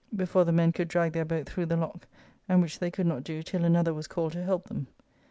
] before the men could drag their boat through the lock, and which they could not do till another was called to help them.